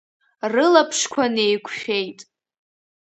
Рылаԥшқәа неиқәшәеит.